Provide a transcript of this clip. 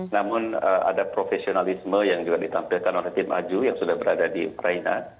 namun ada profesionalisme yang juga ditampilkan oleh tim aju yang sudah berada di ukraina